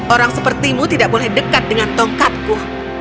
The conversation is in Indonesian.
orang sepertimu tidak boleh dekat dengan tongkatku